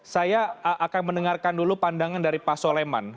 saya akan mendengarkan dulu pandangan dari pak soleman